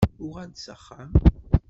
Uɣal-d s axxam.